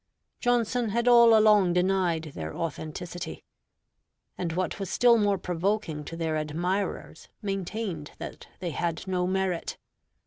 Johnson had all along denied their authenticity; and what was still more provoking to their admirers, maintained that they had no merit.